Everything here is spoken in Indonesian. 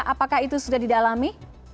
apakah itu sudah didalami